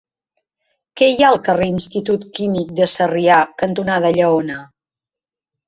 Què hi ha al carrer Institut Químic de Sarrià cantonada Lleona?